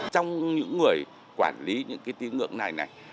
trong những người quản lý những cái tín ngưỡng này này